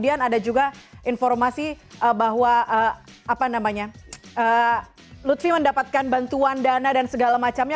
ada juga informasi bahwa lutfi mendapatkan bantuan dana dan segala macamnya